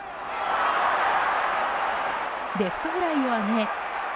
レフトフライを上げ。